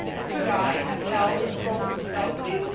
" Could I have held a throne without you.